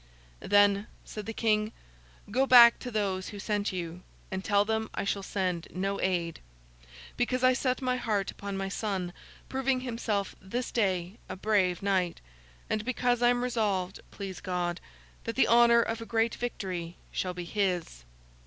'Then,' said the King, 'go back to those who sent you, and tell them I shall send no aid; because I set my heart upon my son proving himself this day a brave knight, and because I am resolved, please God, that the honour of a great victory shall be his!